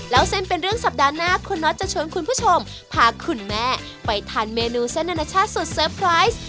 แล้วเส้นเป็นเรื่องสัปดาห์หน้าคุณน็อตจะชวนคุณผู้ชมพาคุณแม่ไปทานเมนูเส้นอนาชาติสุดเซอร์ไพรส์